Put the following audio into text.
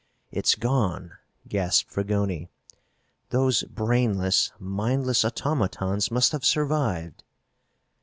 "It's gone!" gasped Fragoni. "Those brainless, mindless automatons must have survived!"